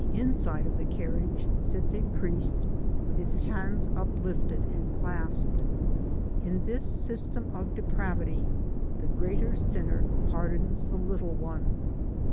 193 inside of the carriage sits a priest, with his hands uplifted and clasped. In this system of depravity the great sinner pardons the little one.